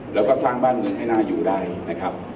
แล้วก็สร้างบ้านเมืองให้น่าอยู่ได้นะครับ